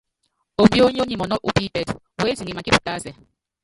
Ombiónyó nyi mɔnɔ́ upípɛtɛ, utiŋe makípi tásɛ.